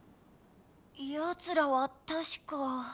やつらはたしか。